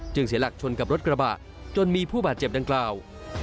เสียหลักชนกับรถกระบะจนมีผู้บาดเจ็บดังกล่าว